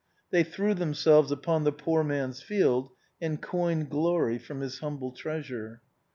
They threw them selves upon the poor man's field and coined glory from his humble treasure.